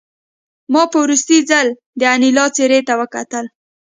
ما په وروستي ځل د انیلا څېرې ته وکتل